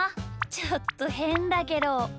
ちょっとへんだけど。